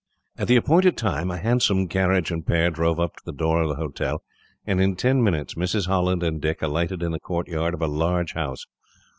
At the appointed time, a handsome carriage and pair drove up to the door of the hotel, and in ten minutes Mrs. Holland and Dick alighted in the courtyard of a large house.